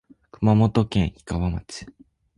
熊本県氷川町